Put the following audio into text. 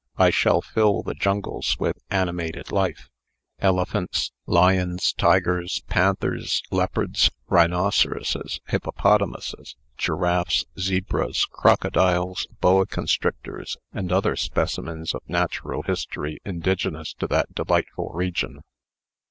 I shall fill the jungles with animated life elephants, lions, tigers, panthers, leopards, rhinoceroses, hippopotamuses, giraffes, zebras, crocodiles, boa constrictors, and other specimens of natural history indigenous to that delightful region."